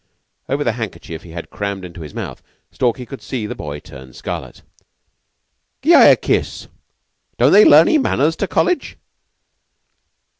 Over the handkerchief he had crammed into his mouth Stalky could see the boy turn scarlet. "Gie I a kiss! Don't they larn 'ee manners to College?"